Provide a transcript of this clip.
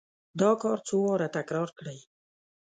دا کار څو واره تکرار کړئ.